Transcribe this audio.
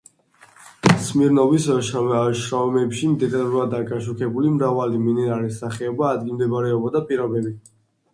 სმირნოვის შრომებში დეტალურადაა გაშუქებული მრავალი მინერალის სახეობა, ადგილმდებარეობა და პირობები.